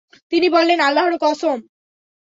তিনি বললেন, আল্লাহর কসম!